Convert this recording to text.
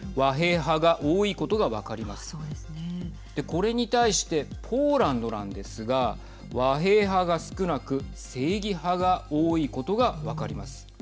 これに対してポーランドなんですが和平派が少なく正義派が多いことが分かります。